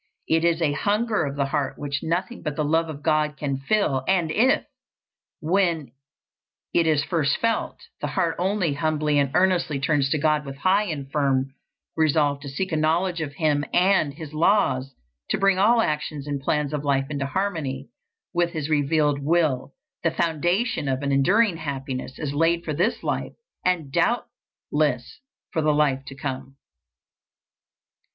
It is a hunger of the heart which nothing but the love of God can fill, and if, when it is first felt, the heart only humbly and earnestly turns to God with high and firm resolve to seek a knowledge of Him and His laws, to bring all actions and plans of life into harmony with His revealed will, the foundation of an enduring happiness is laid for this life, and doubtless for the life to come.